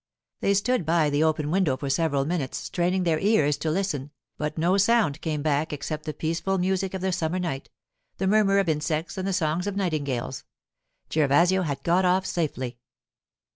They stood by the open window for several minutes, straining their ears to listen, but no sound came back except the peaceful music of a summer night—the murmur of insects and the songs of nightingales. Gervasio had got off safely.